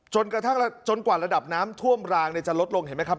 จนกระทั่งจนกว่าระดับน้ำท่วมรางจะลดลงเห็นไหมครับ